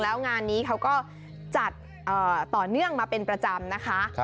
แล้วงานนี้เขาก็จัดต่อเนื่องมาเป็นประจำนะคะ